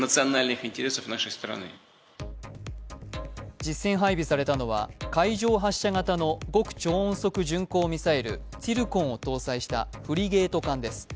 実戦配備されたのは、海上発射型の極超音速巡航ミサイルツィルコンを搭載したフリゲート艦です。